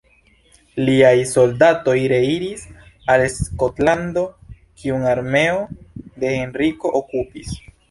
Liaj soldatoj reiris al Skotlando, kiun armeo de Henriko okupis.